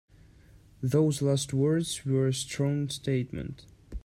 Those last words were a strong statement.